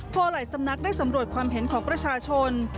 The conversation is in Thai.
พอหลายสำนักได้สำรวจความเห็นของประชาชน